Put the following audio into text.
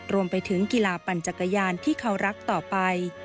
รวมไปถึงกีฬาปั่นจักรยานที่เขารักต่อไป